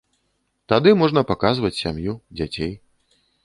Тады можна паказваць сям'ю, дзяцей.